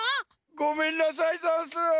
ごめんなさいざんす。